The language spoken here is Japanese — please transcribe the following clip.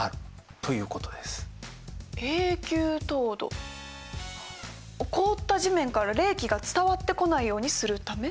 永久凍土凍った地面から冷気が伝わってこないようにするため？